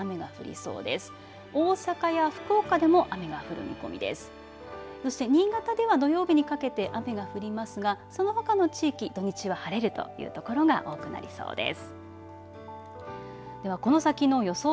そして新潟では土曜日にかけて雨が降りますがその他の地域、土、日は晴れるというところが多くなりそうです。